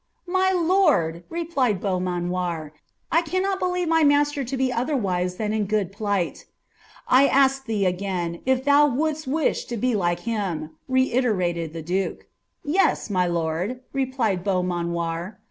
'' My lord," replied Benumanoir, " I cannot believe my nwater to bl otherwise than in good plight." " 1 ask thee again, il' ihou wouldest wish to be like the duke. " Yes, my lord," replied Beaumanoir.